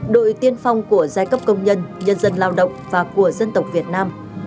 đội tiên phong của giai cấp công nhân nhân dân lao động và của dân tộc việt nam